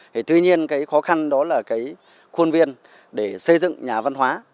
thì tuy nhiên cái khó khăn đó là cái khuôn viên để xây dựng nhà văn hóa